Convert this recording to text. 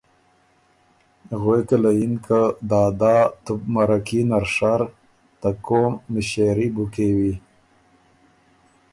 غوېکه له بو یِن که ”دادا تُو بو مرکي نر شر، ته قوم مِݭېري بو کېوی